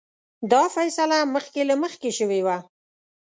دا فیصله مخکې له مخکې شوې وه.